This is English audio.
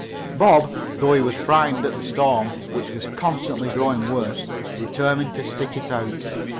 Bob, though he was frightened at the storm, which was constantly growing worse, determined to stick it out.